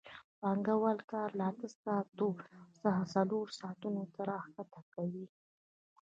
پانګوال کار له اته ساعتونو څخه څلور ساعتونو ته راښکته کوي